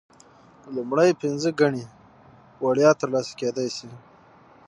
لومړۍ پنځه ګڼې وړیا ترلاسه کیدی شي.